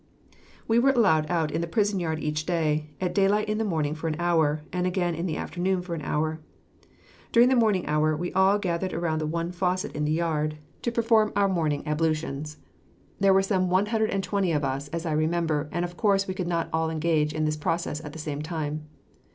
We were allowed out in the prison yard each day, at daylight in the morning for an hour, and again in the afternoon for an hour. During the morning hour we all gathered around the one faucet in the yard, to perform our morning ablutions. There were some one hundred and twenty of us, as I remember, and of course we could not all engage in this process at the same time.